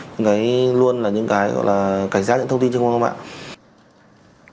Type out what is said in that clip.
những cái luôn là những cái gọi là cảnh sát những thông tin trên công đoàn mạng